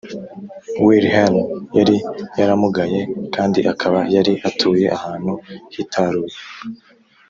Wilhelm yari yaramugaye kandi akaba yari atuye ahantu hitaruye